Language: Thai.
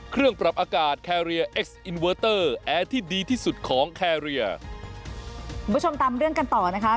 คุณผู้ชมตามเรื่องกันต่อนะคะ